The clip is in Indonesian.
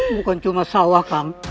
bukan cuma sawah kang